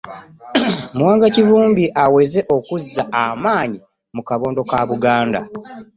Muwanga Kivumbi aweze okuzza amaanyi mu kabondo ka Buganda